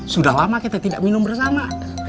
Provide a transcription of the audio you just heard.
sudah lama kita tidak minum bersama